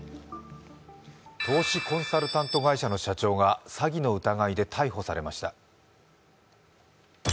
投資コンサルタント会社の社長が詐欺の疑いで逮捕されました。